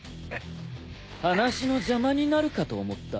話の邪魔になるかと思った。